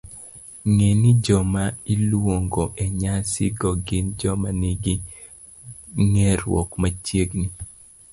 Ng'e ni joma iluongo e nyasi go gin joma nigi ng'eruok machiegni